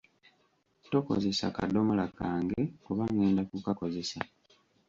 Tokozesa kadomola kange kuba ngenda kukakozesa.